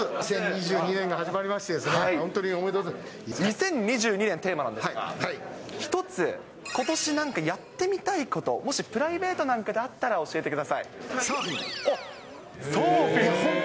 ２０２２年が始まりまして、２０２２年テーマなんですが、一つ、ことしなんかやってみたいこと、もしプライベートなんかでサーフィン。